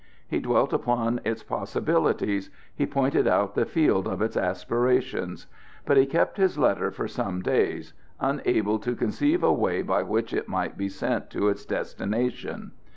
He dwelt upon its possibilities, he pointed out the field of its aspirations. But he kept his letter for some days, unable to conceive a way by which it might be sent to its destination.